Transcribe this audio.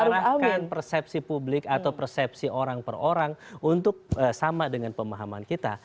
mengarahkan persepsi publik atau persepsi orang per orang untuk sama dengan pemahaman kita